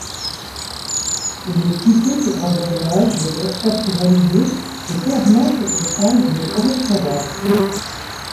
Les tickets pour un voyage doivent être validés et permettent de prendre une correspondance.